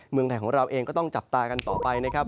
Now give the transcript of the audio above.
เมืองไทยของเราเองก็ต้องจับตากันต่อไปนะครับ